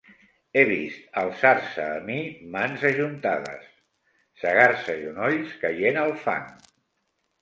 He vist alçar-se a mi mans ajuntades, segar-se genolls caient al fang.